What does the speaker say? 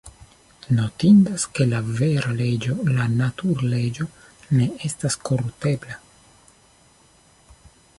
Notindas, ke la vera leĝo, la natur-leĝo, ne estas koruptebla.